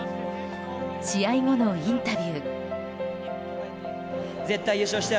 試合後のインタビュー。